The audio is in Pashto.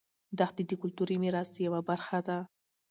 دښتې د کلتوري میراث یوه برخه ده.